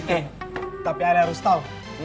eh tapi ada yang harus tahu